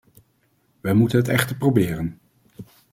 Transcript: Wij moeten het echter proberen.